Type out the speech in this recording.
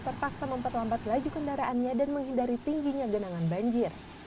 terpaksa memperlambat laju kendaraannya dan menghindari tingginya genangan banjir